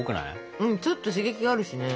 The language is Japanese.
うんちょっと刺激があるしね。